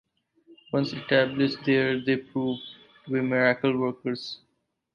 Once established there, they proved to be miracle workers.